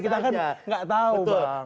kita kan nggak tahu bang